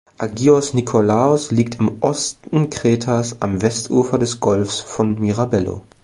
Agios Nikolaos liegt im Osten Kretas, am Westufer des Golfs von Mirabello.